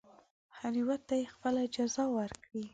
هر یوه ته یې خپله جزا ورکړي.